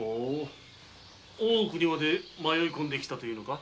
大奥にまで迷いこんできたというのか？